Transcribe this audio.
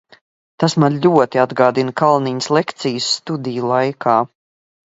Tas man ļoti atgādina Kalniņas lekcijas studiju laikā.